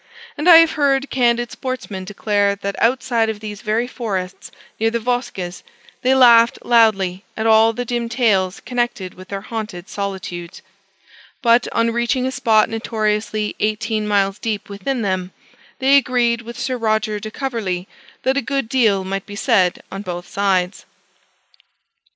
And I have heard candid sportsmen declare that, outside of these very forests near the Vosges, they laughed loudly at all the dim tales connected with their haunted solitudes; but, on reaching a spot notoriously eighteen miles deep within them, they agreed with Sir Roger de Coverley that a good deal might be said on both sides.